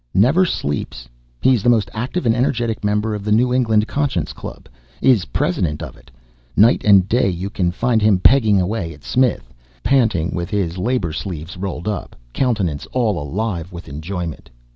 Never sleeps. He is the most active and energetic member of the New England Conscience Club; is president of it. Night and day you can find him pegging away at Smith, panting with his labor, sleeves rolled up, countenance all alive with enjoyment.